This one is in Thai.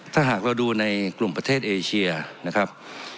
ถ้าหากเราดูในกลุ่มประเทศเอเชียนะครับ